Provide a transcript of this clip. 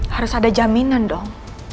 harus ada jaminan dong